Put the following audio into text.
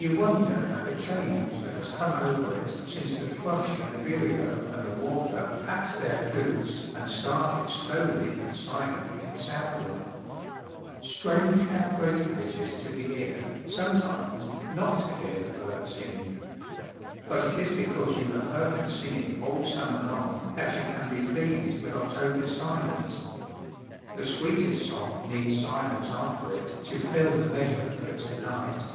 You wonder at the change that has come over it since the thrush and the vireo and the warbler packed their flutes and started slowly and silently southward. 162 The Autumn Wood Path Strange how grateful it is to the ear, some times, not to hear the birds singing! But it is because you have heard them singing all summer long that you can be pleased with October's silence. The sweetest song needs silence after it to fill the measure of its delight.